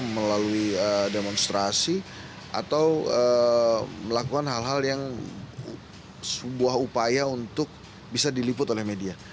melalui demonstrasi atau melakukan hal hal yang sebuah upaya untuk bisa diliput oleh media